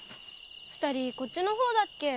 ２人こっちの方だっけ？